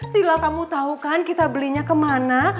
silla kamu tau kan kita belinya kemana